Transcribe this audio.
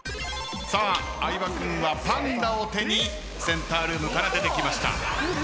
さあ相葉君はパンダを手にセンタールームから出てきました。